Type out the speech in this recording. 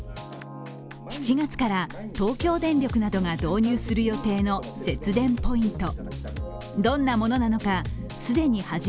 ７月から東京電力などが導入する予定の節電ポイント。